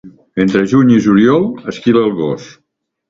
Entre juny i juliol esquila el gos.